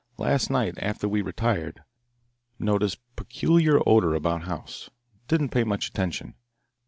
Last night after we retired noticed peculiar odour about house. Didn't pay much attention.